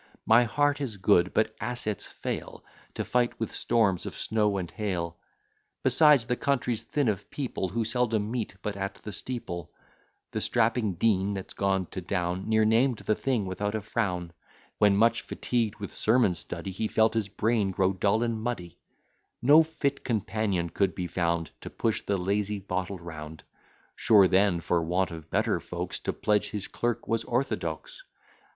My heart is good; but assets fail, To fight with storms of snow and hail. Besides, the country's thin of people, Who seldom meet but at the steeple: The strapping dean, that's gone to Down, Ne'er named the thing without a frown, When, much fatigued with sermon study, He felt his brain grow dull and muddy; No fit companion could be found, To push the lazy bottle round: Sure then, for want of better folks To pledge, his clerk was orthodox.